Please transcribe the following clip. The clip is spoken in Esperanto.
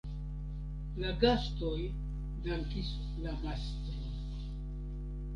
La gastoj dankis la mastron.